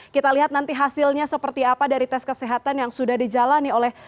kita lihat nanti hasilnya seperti apa dari tes kesehatan yang sudah dijalani oleh